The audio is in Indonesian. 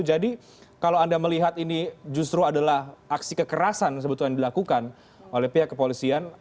jadi kalau anda melihat ini justru adalah aksi kekerasan yang sebetulnya dilakukan oleh pihak kepolisian